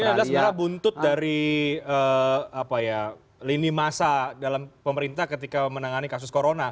jadi ini adalah sebenarnya buntut dari apa ya lini masa dalam pemerintah ketika menangani kasus corona